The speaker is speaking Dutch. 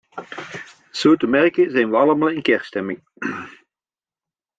Zo te merken zijn we allemaal in kerststemming.